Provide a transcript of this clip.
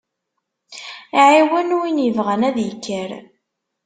Ɛiwen win ibɣan ad ikker.